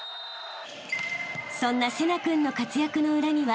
［そんな聖成君の活躍の裏には］